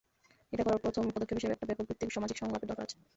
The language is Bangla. এটা করার প্রথম পদক্ষেপ হিসেবে একটা ব্যাপকভিত্তিক সামাজিক সংলাপের দরকার আছে।